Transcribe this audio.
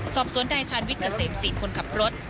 สอบสวนนายชาญวิทย์เกษมศิษย์คนขับรถ